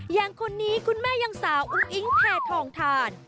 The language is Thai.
อย่างคนนี้คุณแม่ยังสาวอุ้งอิ๊งแพทองทาน